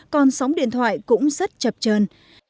còn sóng điện thoại cũng rất chập trơn